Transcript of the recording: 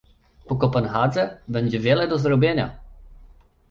Po Kopenhadze będzie wiele do zrobienia